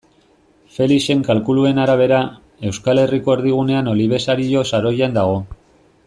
Felixen kalkuluen arabera, Euskal Herriko erdigunean Olibesario saroian dago.